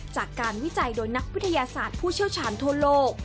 จากการวิจัยโดยนักวิทยาศาสตร์ผู้เชี่ยวชาญทั่วโลก